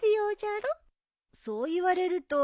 そう言われると。